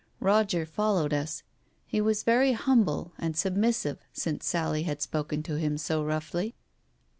Roger followed us; he was very humble and submissive since Sally had spoken to him so roughly.